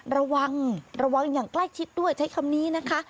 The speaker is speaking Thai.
ระวังระวังอย่างใกล้ชิดด้วยใช้คำนี้นะคะ